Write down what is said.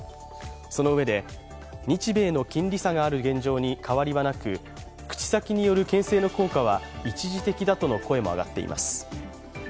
そのうえで日米の金利差がある現状に変わりはなく口先によるけん制の効果は一時的だとの声も上がっています。